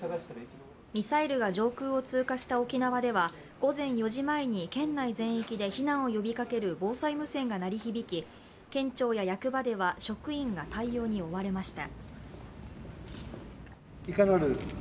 ミサイルが上空を通過した沖縄では、午前４時前に避難を呼びかける防災無線が鳴り響き、県庁や役場では職員が対応に追われました。